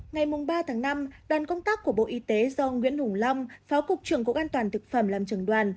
ngày ba tháng năm đoàn công tác của bộ y tế do nguyễn hùng long pháo cục trưởng của an toàn thực phẩm làm trường đoàn